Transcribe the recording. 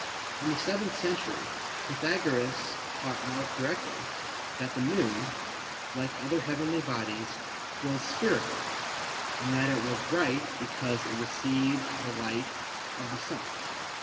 In the seventh century Pythagoras taught more correctly that the Moon, like other heavenly bodies, was spherical, and that it was bright because it received the light of the Sun.